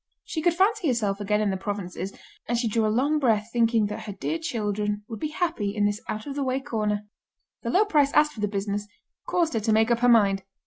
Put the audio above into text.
She could fancy herself again in the provinces, and she drew a long breath thinking that her dear children would be happy in this out of the way corner. The low price asked for the business, caused her to make up her mind.